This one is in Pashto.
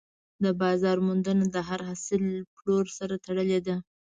د بازار موندنه د هر حاصل له پلور سره تړلې ده.